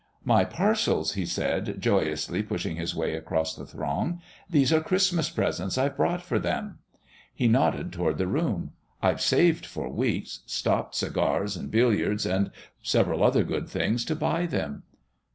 "My parcels," he said, joyously pushing his way across the throng. "These are Christmas presents I've bought for them." He nodded toward the room. "I've saved for weeks stopped cigars and billiards and and several other good things to buy them."